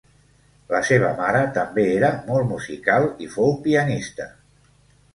La seva mare també era molt musical i fou pianista.